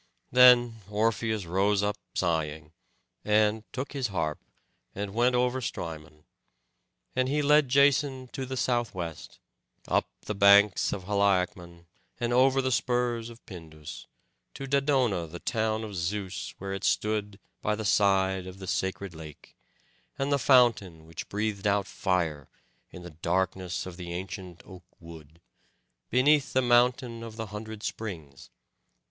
Then Orpheus rose up sighing, and took his harp, and went over Strymon. And he led Jason to the southwest, up the banks of Haliacmon and over the spurs of Pindus, to Dodona the town of Zeus, where it stood by the side of the sacred lake, and the fountain which breathed out fire, in the darkness of the ancient oak wood, beneath the mountain of the hundred springs.